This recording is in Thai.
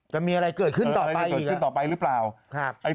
จะมีอะไรเกิดขึ้นต่อไปหรือเปล่าใช่ค่ะ